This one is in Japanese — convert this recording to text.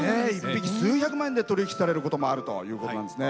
１匹、数百万円で取引されることもあるそうですね。